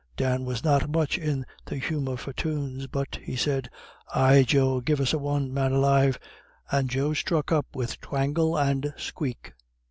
Dan was not much in the humour for tunes, but he said, "Ay, Joe, give us a one, man alive," and Joe struck up with twangle and squeak.